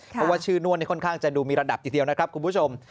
เพราะว่าชื่อนวดนี่ค่อนข้างจะดูมีระดับทีเดียวนะครับคุณผู้ชม